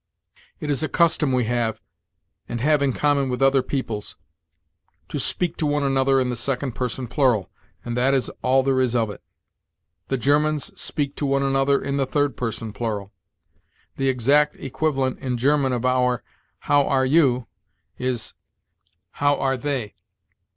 It is a custom we have and have in common with other peoples to speak to one another in the second person plural, and that is all there is of it. The Germans speak to one another in the third person plural. The exact equivalent in German of our How are you? is, _How are they?